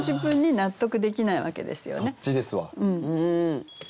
そっちですわ。